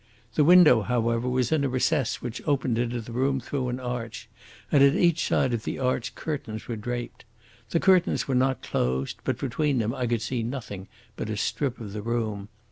The window, however, was in a recess which opened into the room through an arch, and at each side of the arch curtains were draped. The curtains were not closed, but between them I could see nothing but a strip of the room.